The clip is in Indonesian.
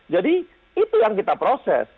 jadi itu yang kita proses